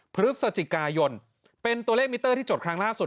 พฤศจิกายนเป็นตัวเลขมิเตอร์ที่จดครั้งล่าสุด